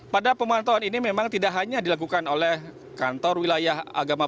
pada pemantauan ini memang tidak hanya dilakukan oleh kantor wilayah agama